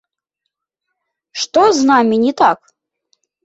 Што з намі не так?